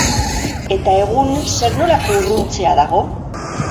Eta egun zer nolako urruntzea dago?